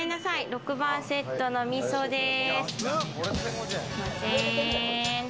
６番セットのみそです。